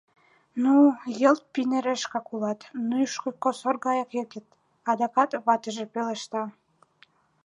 — Ну, йылт пинерешкак улат, нӱшкӧ косор гаяк йыгет, — адакат ватыже пелешта.